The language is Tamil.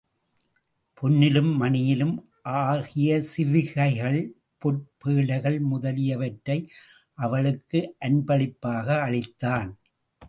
பொன்னிலும் மணியிலும் ஆகிய சிவிகைகள், பொற் பேழைகள் முதலியவற்றை அவளுக்கு அன்பளிப்பாக அளித்தான்.